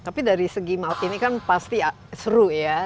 tapi dari segi maut ini kan pasti seru ya